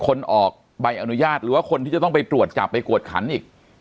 คนออกใบอนุญาตหรือว่าคนที่จะต้องไปตรวจจับไปกวดขันอีก